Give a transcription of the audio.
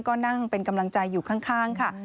ก็นั่งเป็นกำลังใจอยู่ข้างค่ะ